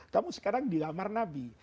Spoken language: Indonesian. kamu sekarang dilamar nabi